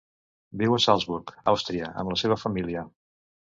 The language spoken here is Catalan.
Viu a Salzburg, Austria, amb la seva família.